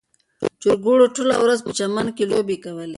چرګوړو ټوله ورځ په چمن کې لوبې کولې.